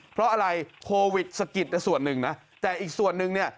เพราะอะไรโควิดสะกิดแต่ส่วนหนึ่งนะแต่อีกส่วนนึงเนี่ย